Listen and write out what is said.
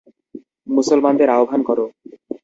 মুসলমানদের আহ্বান কর।